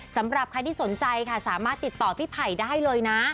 สำหรับใครที่สนใจค่ะสามารถติดต่อพี่ไผ่ได้เลยนะ